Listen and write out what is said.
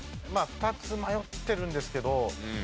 ２つ迷ってるんですけど。